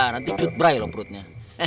nanti cutbrai loh perutnya